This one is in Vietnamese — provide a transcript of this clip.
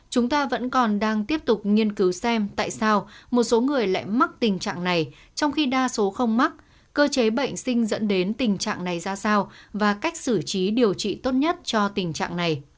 chúng ta vẫn còn đang tiếp tục nghiên cứu xem tại sao một số người lại mắc tình trạng này trong khi đa số không mắc cơ chế bệnh sinh dẫn đến tình trạng này ra sao và cách xử trí điều trị tốt nhất cho tình trạng này